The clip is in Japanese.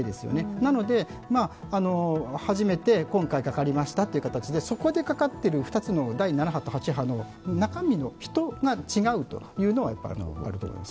なので、初めて今回かかりましたという形でそこでかかっている２つの第７波と８波の中身の人が違うというのがあると思います。